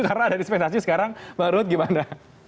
karena ada dispensasi sekarang bang ruth gimana